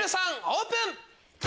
オープン。